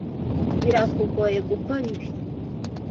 Birakugoye gukora ibi?